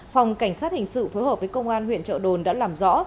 phòng cảnh sát hình sự phối hợp với công an huyện trợ đồn đã làm rõ